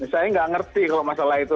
saya nggak ngerti kalau masalah itu